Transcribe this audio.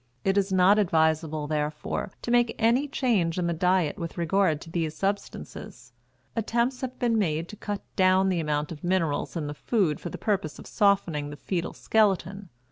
It is not advisable, therefore, to make any change in the diet with regard to these substances. Attempts have been made to cut down the amount of minerals in the food for the purpose of softening the fetal skeleton.